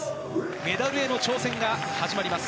メダルへの挑戦が始まります。